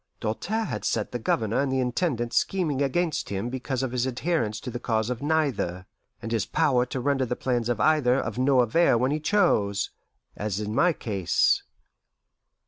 Doltaire had set the Governor and the Intendant scheming against him because of his adherence to the cause of neither, and his power to render the plans of either of no avail when he chose, as in my case.